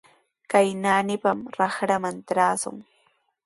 Kay naanipami raqraman trashun.